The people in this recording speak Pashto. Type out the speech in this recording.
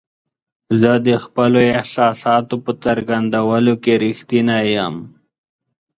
زه د خپلو احساساتو په څرګندولو کې رښتینی یم.